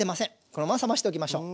このまま冷ましておきましょう。